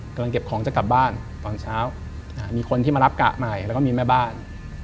กำลังเก็บของจะกลับบ้านตอนเช้ามีคนที่มารับกะใหม่แล้วก็มีแม่บ้าน